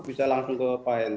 bisa langsung ke pak henr